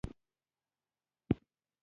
په کولر ډراو کې هره کرښه یو هدف لري.